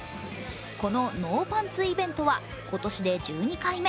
このノーパンツイベントは今年で１２回目。